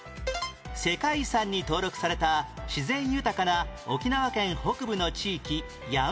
世界遺産に登録された自然豊かな沖縄県北部の地域やんばる